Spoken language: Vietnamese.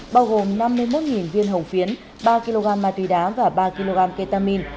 bao gồm năm mươi một viên hồng phiến ba kg ma túy đá và ba kg ketamin